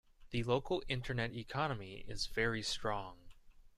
The local internet economy is very strong.